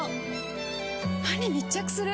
歯に密着する！